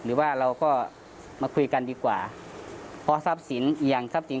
หรือว่าเราก็มาคุยกันดีกว่าเพราะทราบศีลอียางทราบศีล